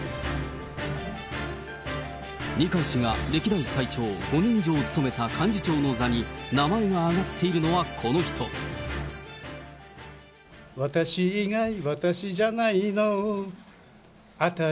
二階氏が歴代最長５年以上務めた幹事長の座に名前が挙がっている私以外私じゃないのー。